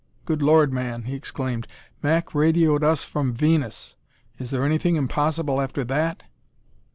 Good Lord, man!" he exclaimed, "Mac radioed us from Venus; is there anything impossible after that?"